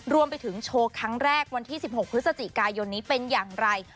รวมไปถึงโชว์ครั้งแรกวันที่๑๖พฤศจิกายนนี้เป็นอย่างไร